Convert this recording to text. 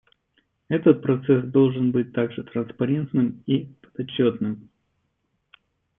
Этот процесс должен быть также транспарентным и подотчетным.